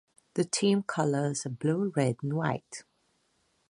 The team colours are blue, red and white.